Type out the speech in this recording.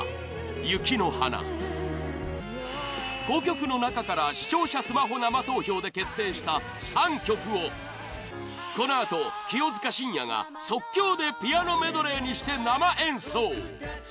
「雪の華」５曲の中から視聴者スマホ生投票で決定した３曲をこのあと、清塚信也が即興でピアノメドレーにして生演奏！